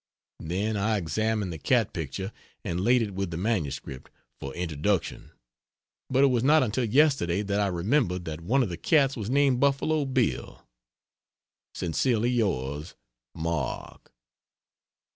Then I examined the cat picture and laid it with the MS. for introduction; but it was not until yesterday that I remembered that one of the cats was named Buffalo Bill. Sincerely yours, MARK.